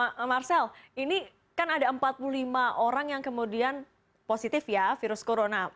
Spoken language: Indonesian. pak marcel ini kan ada empat puluh lima orang yang kemudian positif ya virus corona